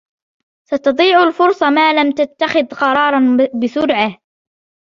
ستضيع الفرصة ما لم تتخذ قرارا بسرعة.